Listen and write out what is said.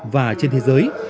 và trên thế giới